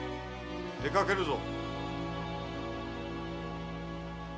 出かけるぞ。